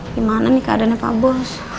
gimana nih keadaannya pak bos